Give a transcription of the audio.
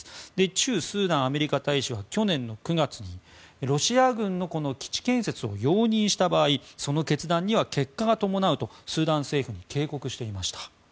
駐スーダンアメリカ大使は去年の９月にロシア軍の基地建設を容認した場合その決断には結果が伴うとスーダン政府が警告していました。